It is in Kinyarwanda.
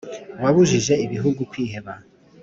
wabujije ibihugu kwiheba